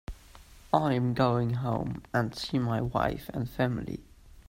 I'm going home and see my wife and family.